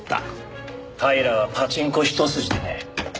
平はパチンコ一筋でね